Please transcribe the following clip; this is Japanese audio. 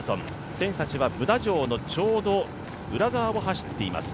選手たちはブダ城のちょうど裏側を走っています。